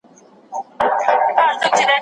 ما تر اوسه پورې د خپل سفر ټول عکسونه ترتیب کړي دي.